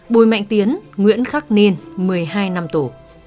bùi mạnh tiến nguyễn khắc ninh một mươi hai năm tù